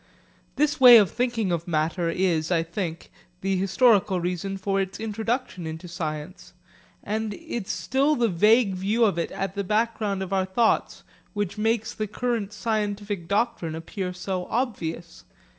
This way of thinking of matter is, I think, the historical reason for its introduction into science, and is still the vague view of it at the background of our thoughts which makes the current scientific doctrine appear so obvious.